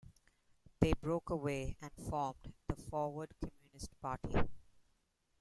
They broke away and formed the Forward Communist Party.